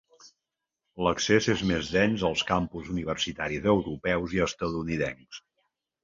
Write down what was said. L'accés és més dens als campus universitaris europeus i estatunidencs.